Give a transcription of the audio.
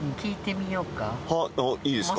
あっいいですか？